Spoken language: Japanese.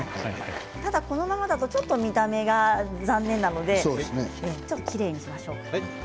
ただこのままだとちょっと見た目が残念なのできれいにしましょうか。